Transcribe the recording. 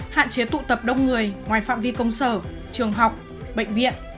hạn chế tụ tập đông người ngoài phạm vi công sở trường học bệnh viện